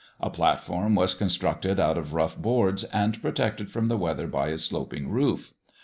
A platform was constructed out of rough boards and protected from the weather by a sloping roof.